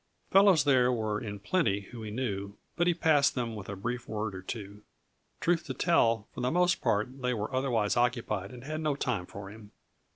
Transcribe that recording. Fellows there were in plenty whom he knew, but he passed them with a brief word or two. Truth to tell, for the most part they were otherwise occupied and had no time for him.